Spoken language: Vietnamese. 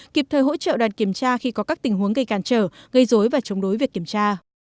kịp thời hỗ trợ đoàn kiểm tra khi có các tình huống gây cản trở gây dối và chống đối việc kiểm tra